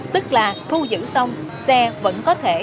tức là thu giữ xong xe vẫn có thể